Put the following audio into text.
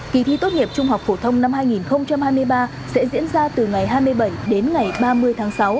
kỳ thi tốt nghiệp trung học phổ thông năm hai nghìn hai mươi ba sẽ diễn ra từ ngày hai mươi bảy đến ngày ba mươi tháng sáu